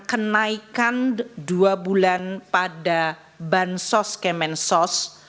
kenaikan dua bulan pada bansos kemensos